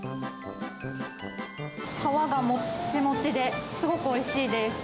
皮がもっちもちで、すごくおいしいです。